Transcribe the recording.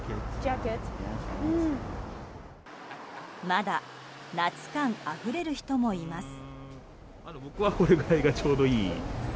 まだ夏感あふれる人もいます。